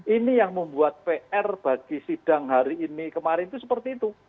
ini yang membuat pr bagi sidang hari ini kemarin itu seperti itu